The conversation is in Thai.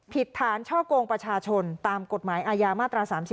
ผิดฐานช่อกงประชาชนตามกฎหมายอาญามาตรา๓๔